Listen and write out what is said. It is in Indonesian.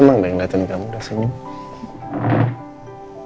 senang gak yang dateng kamu udah senyum